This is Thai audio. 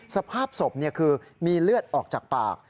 สภาพศพคือมีเลือดออกจากปาก